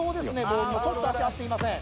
ボールのちょっと足合っていません